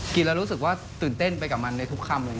กินแล้วรู้สึกว่าตื่นเต้นไปกับมันในทุกคำเลย